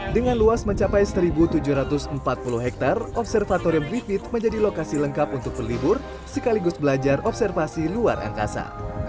dengan luas mencapai satu tujuh ratus empat puluh hektare observatorium griffith menjadi lokasi lengkap untuk berlibur sekaligus belajar observasi luar angkasa